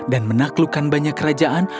dan menaklukkan banyak kerajaan